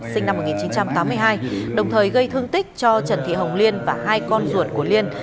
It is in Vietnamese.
sinh năm một nghìn chín trăm tám mươi hai đồng thời gây thương tích cho trần thị hồng liên và hai con ruột của liên